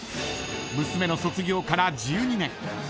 ［娘の卒業から１２年］